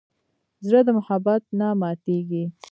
زړه د محبت نه ماتېږي.